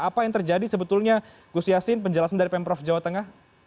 apa yang terjadi sebetulnya gus yassin penjelasan dari pemprov jawa tengah